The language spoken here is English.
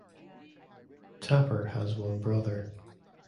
Tapper has one brother.